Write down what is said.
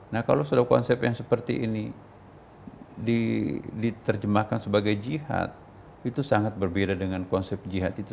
nah kalau sudah konsep yang seperti ini diterjemahkan sebagai jihad itu sangat berbeda dengan konsep jihad itu